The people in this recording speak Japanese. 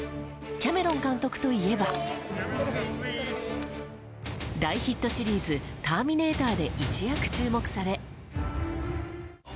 キャメロン監督といえば大ヒットシリーズ「ターミネーター」で一躍注目され。